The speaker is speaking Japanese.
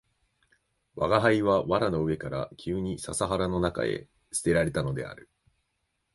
吾輩は藁の上から急に笹原の中へ棄てられたのである